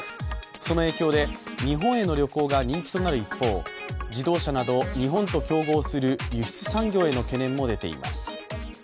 その影響で日本への旅行が人気となる一方自動車など日本と競合する輸出産業への懸念も出ています。